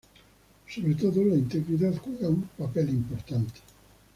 Sobre todo la integridad juega un papel importante.